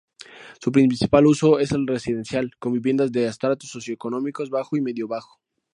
Su principal uso es el residencial, con viviendas de estratos socioeconómicos bajo y medio-bajo.